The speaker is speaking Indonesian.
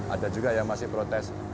ada juga yang masih protes